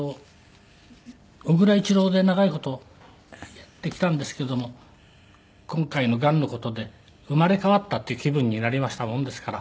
小倉一郎で長い事やってきたんですけども今回のがんの事で生まれ変わったっていう気分になりましたもんですから。